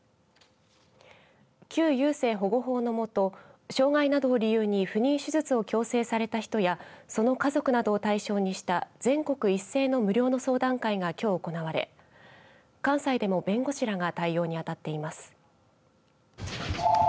旧優生保護法のもと障害などを理由に不妊手術を強制された人やその家族などを対象にした全国一斉の無料の相談会がきょう行われ関西でも弁護士らが対応に当たっています。